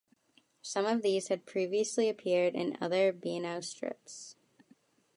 Some of these had previously appeared in other Beano strips.